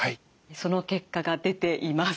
その結果が出ています。